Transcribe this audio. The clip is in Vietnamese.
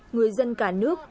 người dân cả nước